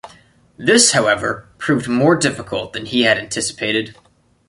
This, however, proved more difficult than he had anticipated.